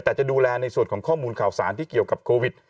แต่จะดูแลในส่วนของข้อมูลข่าวสารที่เกี่ยวกับโควิด